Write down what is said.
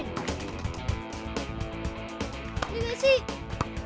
ini gak sih